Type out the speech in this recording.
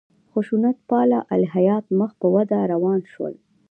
خشونت پاله الهیات مخ په وده روان شول.